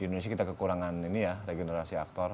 di indonesia kita kekurangan ini ya regenerasi aktor